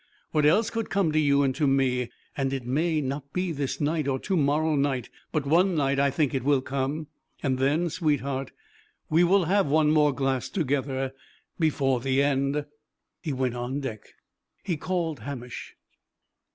What else could come to you and to me? And it may not be this night, or to morrow night; but one night I think it will come; and then, sweetheart, we will have one more glass together, before the end." He went on deck. He called Hamish.